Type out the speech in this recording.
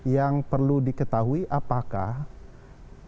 yang perlu diketahui apakah